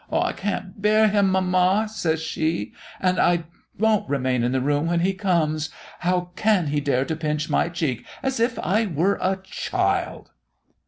"I can't bear him, mamma," says she; "and I won't remain in the room when he comes. How can he dare to pinch my cheek as if I were but a child?"